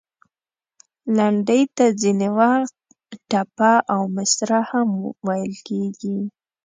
لنډۍ ته ځینې وخت، ټپه او مصره هم ویل کیږي.